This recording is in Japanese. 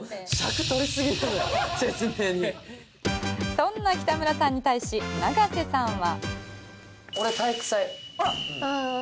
そんな北村さんに対し永瀬さんは。